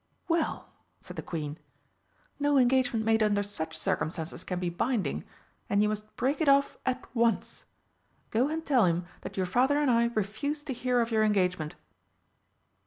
"Well," said the Queen, "no engagement made under such circumstances can be binding, and you must break it off at once. Go and tell him that your Father and I refuse to hear of your engagement."